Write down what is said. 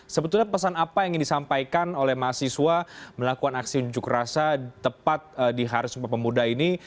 sebetulnya pesan apa yang ingin disampaikan oleh mahasiswa melakukan aksi unjuk rasa tepat di hari sumpah pemuda ini